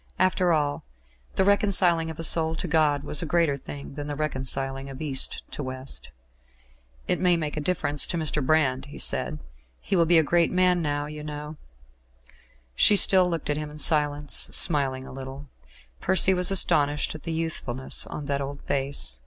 After all, the reconciling of a soul to God was a greater thing than the reconciling of East to West. "It may make a difference to Mr. Brand," he said. "He will be a great man, now, you know." She still looked at him in silence, smiling a little. Percy was astonished at the youthfulness of that old face.